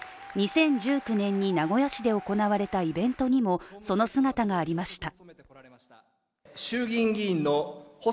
２０１９年に名古屋市で行われたイベントにもその姿がありました。